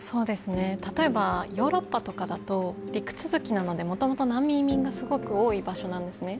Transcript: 例えばヨーロッパとかだと陸続きなので元々難民移民がすごく多い場所なんですね。